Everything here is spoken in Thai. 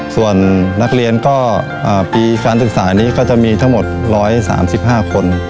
ส่วนนักเรียนก็ปีการศึกษานี้ก็จะมีทั้งหมด๑๓๕คน